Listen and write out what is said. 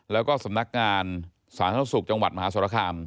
แล้วก็สำนักงานสาธารณสุขจังหวัดมหาสรคาม